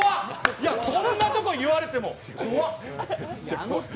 いや、そんなとこ言われても、怖っ。